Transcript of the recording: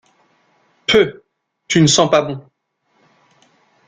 Peuh! tu ne sens pas bon.